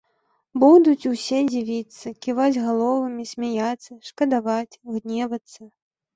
Будуць усе дзівіцца, ківаць галовамі, смяяцца, шкадаваць, гневацца.